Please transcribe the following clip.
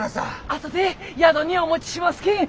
後で宿にお持ちしますけん。